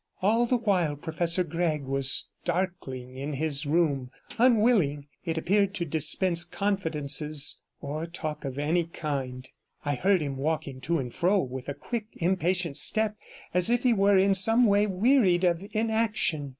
All the while Professor Gregg was darkling in his room, unwilling, it appeared, to dispense confidences or talk of any kind, and I heard him walking to and fro with a quick, impatient step, as if he were in some way wearied of inaction.